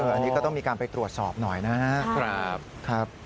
อันนี้ก็ต้องมีการไปตรวจสอบหน่อยนะครับ